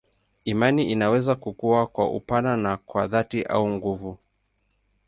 Imani inaweza kukua kwa upana na kwa dhati au nguvu.